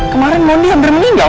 kemarin moni hampir meninggal